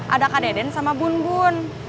ada kak deden sama bun bun